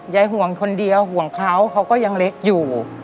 ห่วงคนเดียวห่วงเขาเขาก็ยังเล็กอยู่